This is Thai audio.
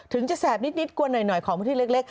ถึงจะแสบนิดกลัวหน่อยของพื้นที่เล็ก